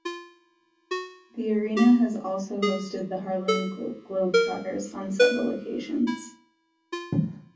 The arena has also hosted the Harlem Globetrotters on several occasions.